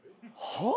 はっ！？